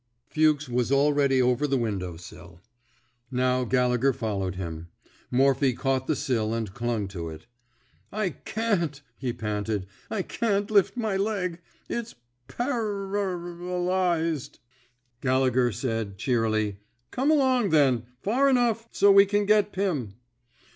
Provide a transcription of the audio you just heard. Fuchs was already over the window sill. Now Gallegher followed him. Morphy caught the sill and clung to it. I can't,'' he panted. I can't lift my leg. It's par rar alyzed. " Gallegher said, cheerily: Come along, then, far enough — so's we can get Pim."